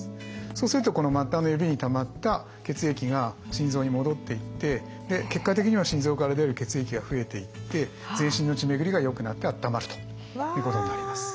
そうするとこの末端の指にたまった血液が心臓に戻っていって結果的には心臓から出る血液が増えていって全身の血巡りがよくなってあったまるということになります。